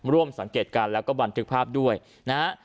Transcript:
ร่วมสังเกตการณ์แล้วก็บันทึกภาพด้วยนะฮะ